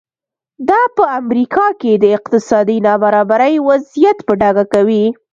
دا په امریکا کې د اقتصادي نابرابرۍ وضعیت په ډاګه کوي.